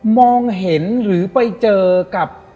มองเห็นหรือไปเจอกับ